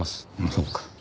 そうか。